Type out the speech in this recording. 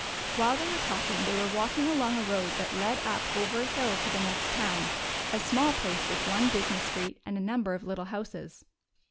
While they were talking, they were walking along a road that led up over a hill to the next town, a small place with one business street and a number of little houses.